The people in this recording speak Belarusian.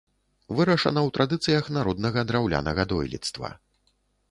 Вырашана ў традыцыях народнага драўлянага дойлідства.